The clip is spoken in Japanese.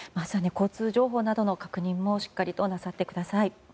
交通情報の確認などもしっかりなさってください。